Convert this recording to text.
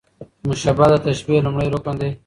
مشبه د تشبېه لومړی رکن دﺉ.